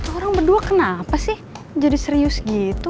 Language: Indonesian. orang berdua kenapa sih jadi serius gitu